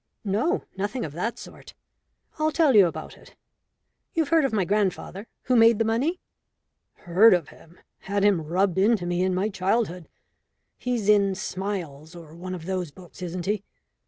"No, nothing of that sort. I'll tell you about it. You've heard of my grandfather who made the money?" "Heard of him? Had him rubbed into me in my childhood. He's in Smiles or one of those books, isn't he?